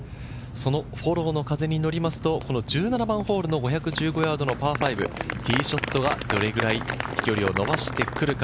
そのフォローの風に乗りますと、この１７番ホールの５１５ヤードのパー５、ティーショットがどれくらい飛距離を伸ばしてくるか。